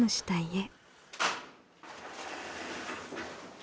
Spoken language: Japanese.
え？